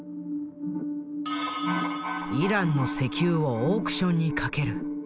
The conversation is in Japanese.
イランの石油をオークションにかける。